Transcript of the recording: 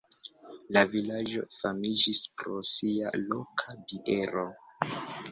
La vilaĝo famiĝis pro sia loka biero.